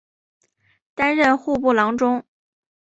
担任户部郎中。